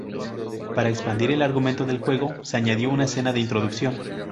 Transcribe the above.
Para expandir el argumento del juego, se añadió una escena de introducción.